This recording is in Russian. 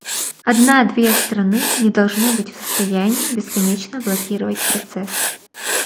Одна−две страны не должны быть в состоянии бесконечно блокировать процесс".